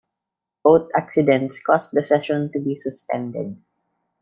Both accidents caused the session to be suspended.